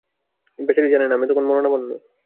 বেচারী জানে না আমি তখন মরণাপন্ন।